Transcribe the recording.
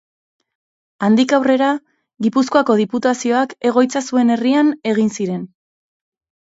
Handik aurrera Gipuzkoako Diputazioak egoitza zuen herrian egin ziren.